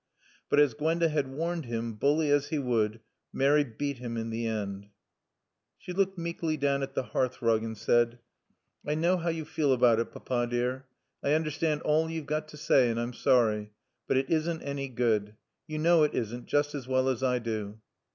But, as Gwenda had warned him, bully as he would, Mary beat him in the end. She looked meekly down at the hearth rug and said, "I know how you feel about it, Papa dear. I understand all you've got to say and I'm sorry. But it isn't any good. You know it isn't just as well as I do."